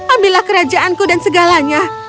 ambillah kerajaanku dan segalanya